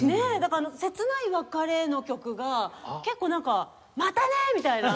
切ない『別れの曲』が結構「またね！」みたいな。